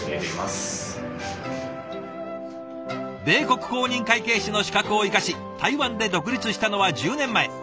米国公認会計士の資格を生かし台湾で独立したのは１０年前。